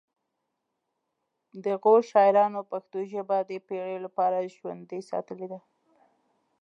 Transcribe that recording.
د غور شاعرانو پښتو ژبه د پیړیو لپاره ژوندۍ ساتلې ده